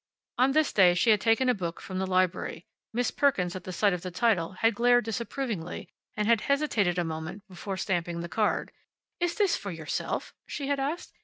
On this day she had taken a book from the library Miss Perkins, at sight of the title, had glared disapprovingly, and had hesitated a moment before stamping the card. "Is this for yourself?" she had asked.